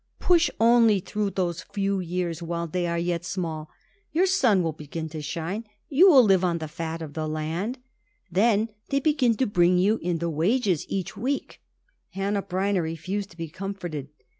"Push only through those few years while they are yet small; your sun will begin to shine, you will live on the fat of the land, when they begin to bring you in the wages each week." Hanneh Breineh refused to be comforted.